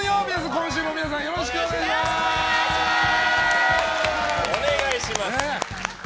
今週も皆さん、よろしくお願いします！